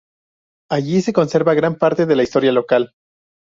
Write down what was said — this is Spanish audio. Allí se conserva gran parte de la historia local.